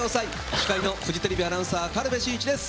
司会のフジテレビアナウンサー軽部真一です。